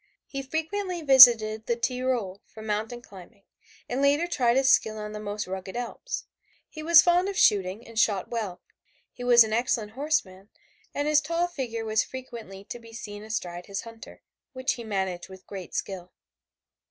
He frequently visited the Tyrol for mountain climbing, and later tried his skill on the most rugged Alps. He was fond of shooting and shot well; he was an excellent horseman and his tall figure was frequently to be seen astride his hunter, which he managed with great skill.